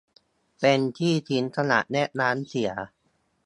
เป็นที่ทิ้งขยะและน้ำเสีย